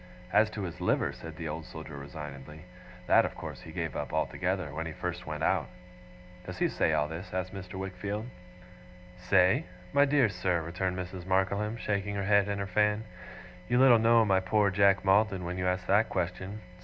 As to his liver,' said the Old Soldier resignedly, 'that, of course, he gave up altogether, when he first went out!' 'Does he say all this?' asked Mr. Wickfield. 'Say? My dear sir,' returned Mrs. Markleham, shaking her head and her fan, 'you little know my poor Jack Maldon when you ask that question.